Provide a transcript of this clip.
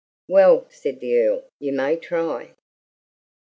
"Well," said the Earl, "you may try."